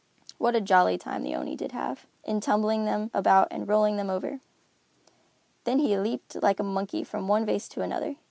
What a jolly time the Oni did have, in tumbling them about and rolling over them! Then he leaped like a monkey from one vase to another.